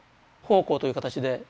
奉公という形で。